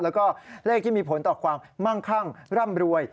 แล้วก็เลขที่มีผลต่อความมั่งคั่งร่ำรวย